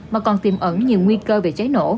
mà còn tìm ẩn nhiều nguy cơ về trái nổ